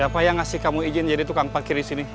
apa yang ngasih kamu izin jadi tukang parkir di sini